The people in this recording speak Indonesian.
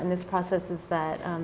dalam proses ini yaitu